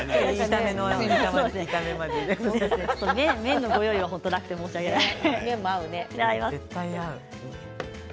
麺のご用意がなくて本当に申し訳ない。